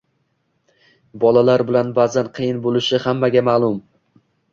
Bolalar bilan ba’zan qiyin bo‘lishi hammaga ma’lum.